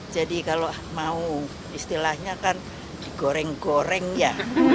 jadi kalau mau istilahnya kan digoreng goreng ya